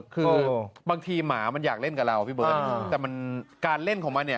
คือบางทีหมามันอยากเล่นกับเราพี่เบิร์ตแต่มันการเล่นของมันเนี่ย